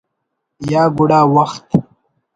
یا گڑا وخت